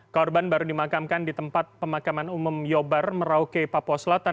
korban baru dimakamkan di tempat pemakaman umum yobar merauke papua selatan